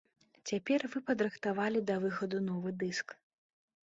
Цяпер вы падрыхтавалі да выхаду новы дыск.